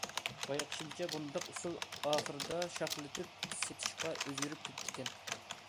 بايقىشىمچە، بۇنداق ئۇسۇل ئاخىرىدا شاخلىتىپ سېتىشقا ئۆزگىرىپ كېتىدىكەن.